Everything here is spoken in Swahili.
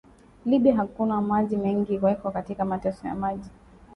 Libya akuna maji mengi weko katika mateso ya maji